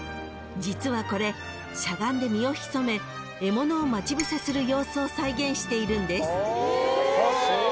［実はこれしゃがんで身を潜め獲物を待ち伏せする様子を再現しているんです］